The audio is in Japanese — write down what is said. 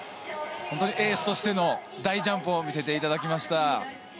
エースとしての大ジャンプを見せていただきました。